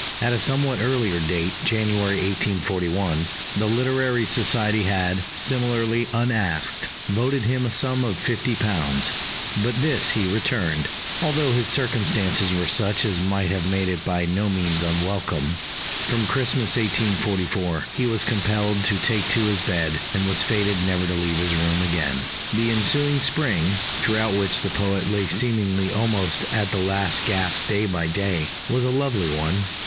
At a somewhat earlier date, January 1841, the Literary Society had, similarly unasked, voted him a sum of £50; but this he returned, although his circumstances were such as might have made it by no means unwelcome. From Christmas 1844 he was compelled to take to his bed, and was fated never to leave his room again. The ensuing Spring, throughout which the poet lay seemingly almost at the last gasp day by day, was a lovely one.